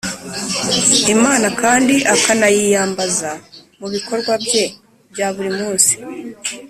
imana kandi akanayiyambaza mu bikorwa bye bya buri munsi.